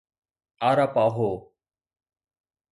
اَراپاهو